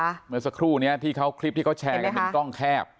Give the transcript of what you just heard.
เมื่อสักครู่นี้ที่เขาคลิปที่เขาแชร์กันเป็นกล้องแคบ